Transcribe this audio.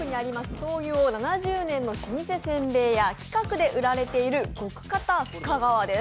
創業７０年のせんべい屋、深川で売られている極堅深川です。